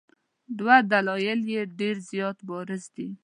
دوه دلایل یې ډېر زیات بارز دي.